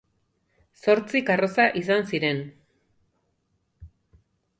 Zortzi karroza izan ziren.